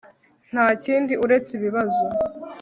Nta kindi uretse ibibazo